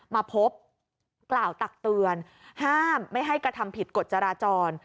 มาพบกล่าวตักเตือนห้ามไม่ให้กระทำผิดกฎจราจร